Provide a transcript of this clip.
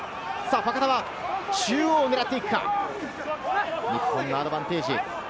坂手が中央に入っていく、日本のアドバンテージ。